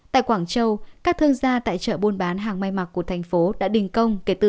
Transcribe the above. tại quảng châu các thương gia tại chợ buôn bán hàng may mặc của thành phố đã đình công kể từ hôm hai mươi hai tháng ba